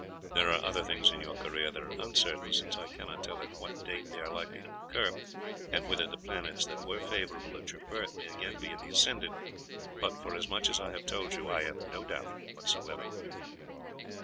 There are other things in your career that are uncertain, since I cannot tell at what date they are likely to occur and whether the planets that were favourable at your birth may again be in the ascendant; but, for as much as I have told you, I have no doubt whatever."